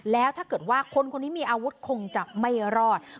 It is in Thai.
แล้วถ้าเกิดว่าคนคนนี้มีอาวุธคงจะไม่รอด